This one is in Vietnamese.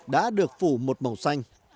đã được phủ một màu xanh